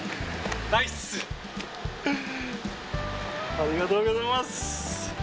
ありがとうございます。